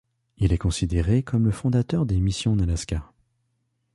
Il est considéré comme le fondateur des missions en Alaska.